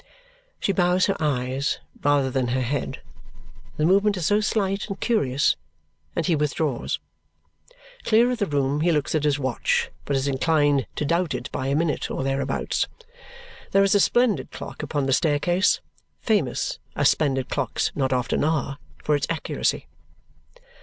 She bows her eyes rather than her head, the movement is so slight and curious, and he withdraws. Clear of the room he looks at his watch but is inclined to doubt it by a minute or thereabouts. There is a splendid clock upon the staircase, famous, as splendid clocks not often are, for its accuracy.